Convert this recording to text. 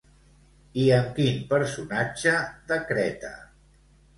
I amb quin personatge de Creta?